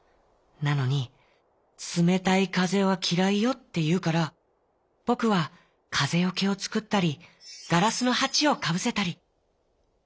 なのに『つめたいかぜはきらいよ』っていうからぼくはかぜよけをつくったりガラスのはちをかぶせたり」。